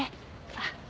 あっ。